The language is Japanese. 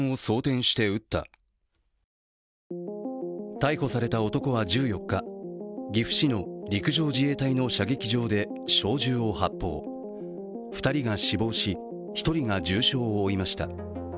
逮捕された男は１４日、岐阜市の陸上自衛隊の射撃場で小銃を発砲、２人が死亡し、１人が重傷を負いました。